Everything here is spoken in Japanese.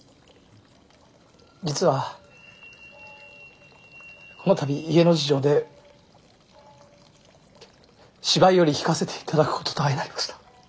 実はこの度家の事情で芝居より引かせていただくことと相なりました。